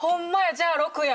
じゃあ６や。